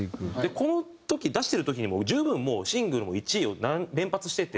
この時出してる時に十分シングルも１位を連発してて。